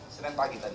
senen pagi tadi